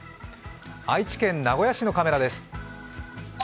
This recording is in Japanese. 愛知県の名古屋市のカメラです。